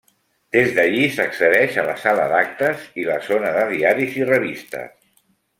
Des d'allí s'accedeix a la sala d’actes i la zona de diaris i revistes.